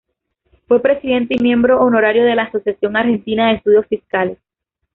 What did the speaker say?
Fue Presidente y miembro honorario de la Asociación Argentina de Estudios Fiscales.